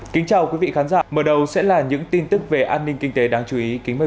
kính chào quý vị khán giả mở đầu sẽ là những tin tức về an ninh kinh tế đáng chú ý kính mời